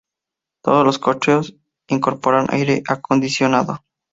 Todos los coches incorporan aire acondicionado.